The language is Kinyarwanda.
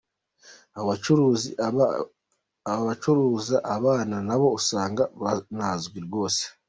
Abo bacuruza abana nabo usanga banazwi rwose.